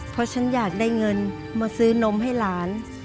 เพราะฉันอยากได้เงินมาซื้อนมให้หลาน